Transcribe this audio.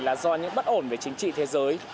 là do những bất ổn về chính trị thế giới